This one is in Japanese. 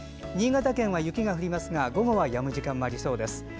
新潟県は雪が降りますが午後は、やむ時間もありそうです。